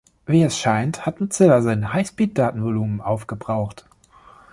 Wie es scheint, hat Mozilla sein Highspeed-Datenvolumen aufgebraucht.